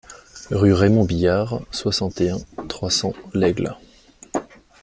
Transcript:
Rue Raymond Billard, soixante et un, trois cents L'Aigle